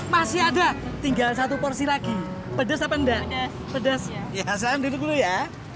masih ada tinggal satu porsi lagi pedas pedas pedas ya